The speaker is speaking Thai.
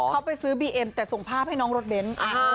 เขาไปซื้อบีเอ็มแต่ส่งภาพให้น้องรถเบนท์